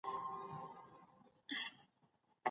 ژوند د انسانانو لپاره د زدهکړې او ازموینې لار ده.